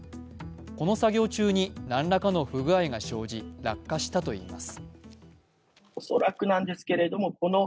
この作業中に何らかの不具合が生じ落下したといいます。